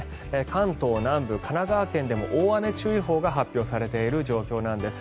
関東南部、神奈川県でも大雨注意報が発表されている状況なんです。